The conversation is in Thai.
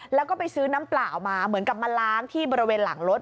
แล้วก็ไปซื้อน้ำเปล่ามาเหมือนกับมาล้างที่บริเวณหลังรถ